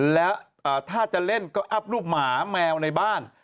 แล้วถ้าจะเล่นก็อัพรูปหมาแมวในบ้าน